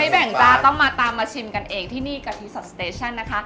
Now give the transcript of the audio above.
แบ่งจ้าต้องมาตามมาชิมกันเองที่นี่กะทิสันสเตชั่นนะคะ